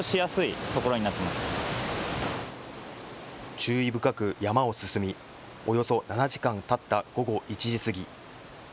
注意深く山を進みおよそ７時間たった午後１時過ぎ。